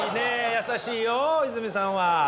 優しいよ大泉さんは。